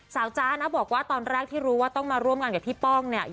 จ๊ะนะบอกว่าตอนแรกที่รู้ว่าต้องมาร่วมงานกับพี่ป้องเนี่ย